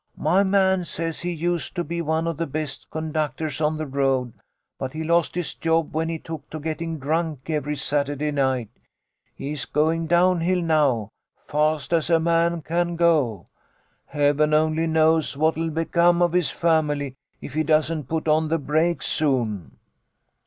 My man says he used to be one of the best conductors on the road, but he lost his job when he took to getting drunk every Saturday night. He's going down hill now, fast as a man can go. Heaven only knows what'll become of his family if he doesn't put on the brakes soon.'